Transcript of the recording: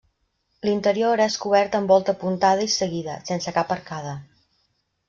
L'interior és cobert amb volta apuntada i seguida, sense cap arcada.